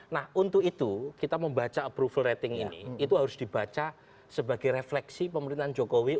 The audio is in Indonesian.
nah untuk itu kita membaca approval rating ini itu harus dibaca sebagai refleksi pemerintahan jokowi